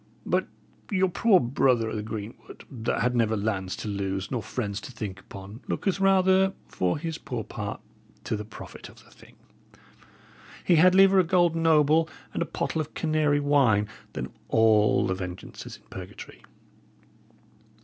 but your poor brother o' the greenwood, that had never lands to lose nor friends to think upon, looketh rather, for his poor part, to the profit of the thing. He had liever a gold noble and a pottle of canary wine than all the vengeances in purgatory."